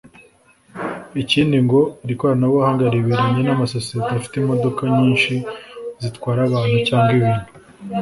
Ikindi ngo iri koranabuhanga riberanye n’amasosiyete afite imodoka nyinshi zitwara abantu cyangwa ibintu